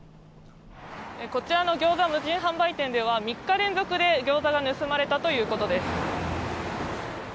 こちらのギョーザ無人販売店では３日連続で、ギョーザが盗まれたということです。